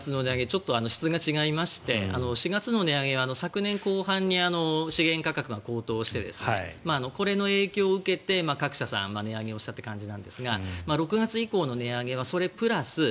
ちょっと質が違いまして４月の値上げは昨年後半に資源価格が高騰してこれの影響を受けて各社さん値上げをしたという形なんですが６月以降の値上げはそれプラス